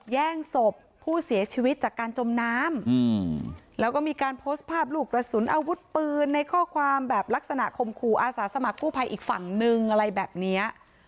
แย่งศพผู้เสียชีวิตจากการจมน้ำแล้วก็มีการโพสต์ภาพลูกกระสุนอาวุธปืนในข้อความแบบลักษณะคมขู่อาสาสมัครกู้ภัยอีกฝั่งนึงอะไรแบบเนี้ย